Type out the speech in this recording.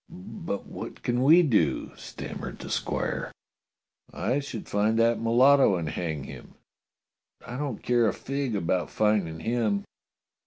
"But what can we do? " stammered the squire. " I should find that mulatto and hang him." "But I don't care a fig about finding him."